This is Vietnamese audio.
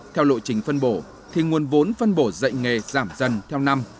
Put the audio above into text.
theo lộ trình phân bổ thì nguồn vốn phân bổ dạy nghề giảm dần theo năm